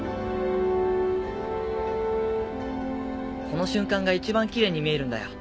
この瞬間が一番きれいに見えるんだよ。